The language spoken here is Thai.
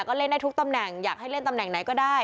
ก็เล่นได้ทุกตำแหน่งอยากให้เล่นตำแหน่งไหนก็ได้